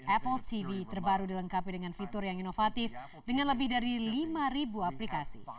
apple tv terbaru dilengkapi dengan fitur yang inovatif dengan lebih dari lima aplikasi